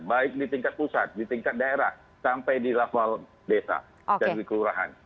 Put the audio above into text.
baik di tingkat pusat di tingkat daerah sampai di level desa dan di kelurahan